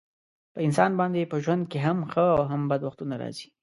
په انسان باندې په ژوند کې هم ښه او هم بد وختونه راځي.